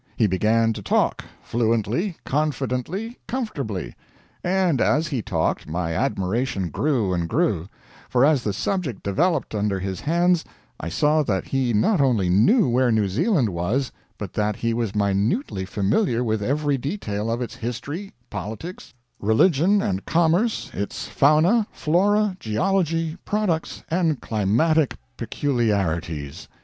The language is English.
He began to talk fluently, confidently, comfortably; and as he talked, my admiration grew and grew; for as the subject developed under his hands, I saw that he not only knew where New Zealand was, but that he was minutely familiar with every detail of its history, politics, religions, and commerce, its fauna, flora, geology, products, and climatic peculiarities.